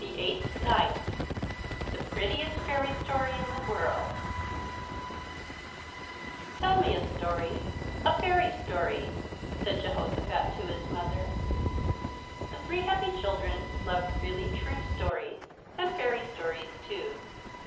EIGHTH NIGHT THE PRETTIEST FAIRY STORY IN THE WORLD "Tell me a story a fairy story," said Jehosophat to his Mother. The three happy children loved really true stories and fairy stories too.